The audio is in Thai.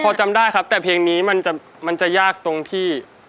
พอจำได้ครับแต่เพลงนี้มันจะยากตรงที่